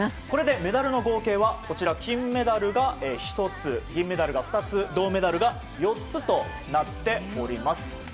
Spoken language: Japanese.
これでメダルの合計は金メダルが１つ銀メダルが２つ銅メダルが４つとなっております。